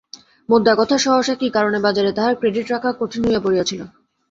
মোদ্দা কথা, সহসা কী কারণে বাজারে তাহার ক্রেডিট রাখা কঠিন হইয়া পড়িয়াছিল।